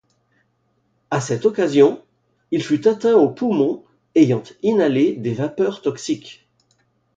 À cette occasion, il fut atteint aux poumons ayant inhalé des vapeurs toxiques.